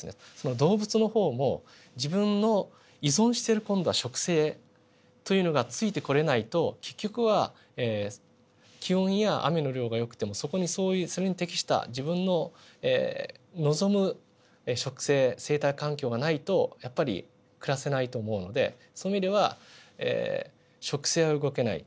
動物の方も自分の依存している今度は植生というのがついてこれないと結局は気温や雨の量がよくてもそこにそういうそれに適した自分の望む植生生態環境がないとやっぱり暮らせないと思うのでそういう意味では植生は動けない。